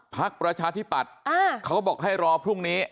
ประชาธิปัตย์เขาก็บอกให้รอพรุ่งนี้